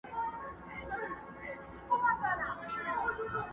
خدای خبر چي بیا به بل دلته پیدا سي!.